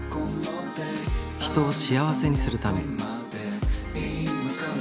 人を幸せにするため。